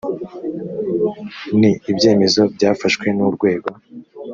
n ibyemezo byafashwe n urwego